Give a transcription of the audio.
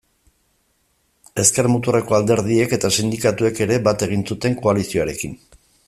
Ezker-muturreko alderdiek eta sindikatuek ere bat egin zuten koalizioarekin.